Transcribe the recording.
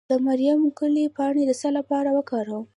د مریم ګلي پاڼې د څه لپاره وکاروم؟